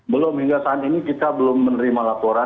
belum hingga saat ini kita belum menerima laporan